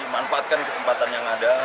manfaatkan kesempatan yang ada